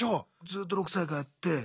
ずっと６歳からやって。